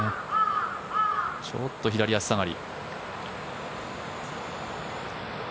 ちょっと左足下がり。